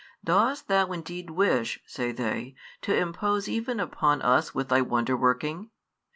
Dost Thou indeed wish, say they, to impose even upon us with Thy wonderworking?